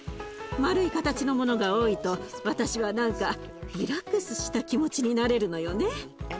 丸い形のものが多いと私は何かリラックスした気持ちになれるのよね。